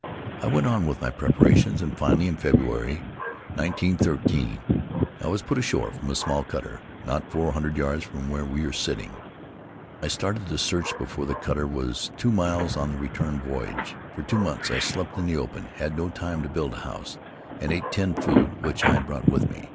I went on with my preparations, and finally, in February, nineteen thirteen, I was put ashore from a small cutter, not four hundred yards from where we are sitting. "I started the search before the cutter was two miles on the return voyage. For two months I slept in the open — had no time to build a house — and ate tinned food which I had brought with me.